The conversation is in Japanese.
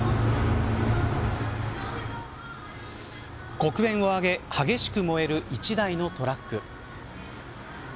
黒煙を上げ激しく燃える１台のトラック。